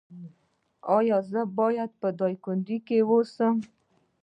ایا زه باید په دایکندی کې اوسم؟